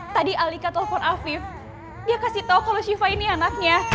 tadi alika telepon afif dia kasih tahu kalau shiva ini anaknya